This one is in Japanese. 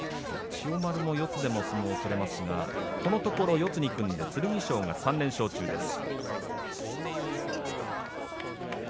千代丸は四つでも相撲が取れますがこのところ四つに組んで剣翔が３連勝中です。